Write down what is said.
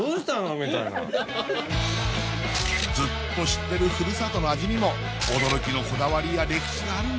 みたいなずっと知ってる故郷の味にも驚きのこだわりや歴史があるんだな